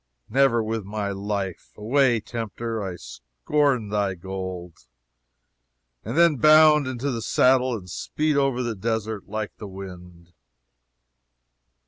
Never with my life! Away, tempter, I scorn thy gold!" and then bound into the saddle and speed over the desert like the wind!